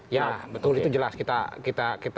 ya betul itu jelas kita